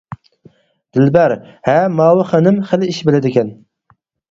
دىلبەر: ھە، ماۋۇ خانىم خېلى ئىش بىلىدىكەن.